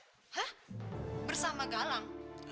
hah bersama galang